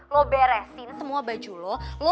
lo beresin semua barang barang lo